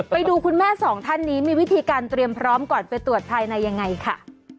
ไปดูคุณแม่สองท่านนี้มีวิธีการเตรียมพร้อมก่อนไปตรวจภายในยังไงค่ะ